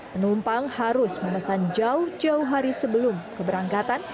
penumpang harus memesan jauh jauh hari sebelum keberangkatan